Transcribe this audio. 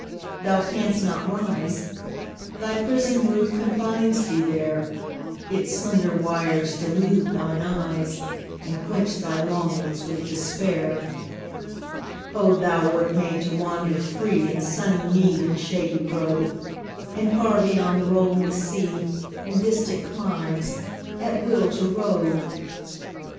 Thou canst not rise: Thy prison roof confines thee there; Its slender wires delude thine eyes, And quench thy longings with despair. Oh, thou wert made to wander free In sunny mead and shady grove, And far beyond the rolling sea, In distant climes, at will to rove!